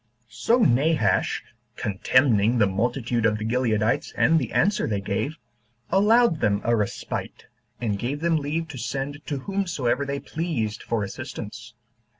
2. So Nabash, contemning the multitude of the Gileadites and the answer they gave, allowed them a respite, and gave them leave to send to whomsoever they pleased for assistance.